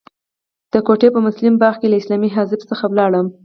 د کوټې په مسلم باغ کې له اسلامي حزب څخه ولاړم.